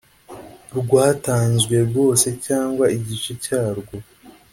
rwatanzwe rwose cyangwa igice cyarwo